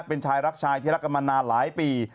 เป็นชายรักชายที่รักกันมานานหลายปี